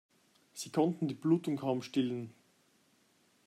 Sie konnten die Blutung kaum stillen.